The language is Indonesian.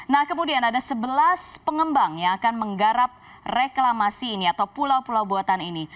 nah kemudian ada sebelas pengembang yang akan menggarap reklamasi ini atau pulau pulau buatan ini